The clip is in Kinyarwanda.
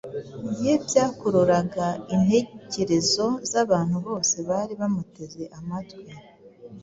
ye byakururaga intekerezo z’abantu bose bari bamuteze amatwi.